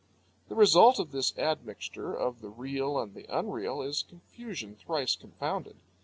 The result of this admixture of the real and the unreal is confusion thrice confounded.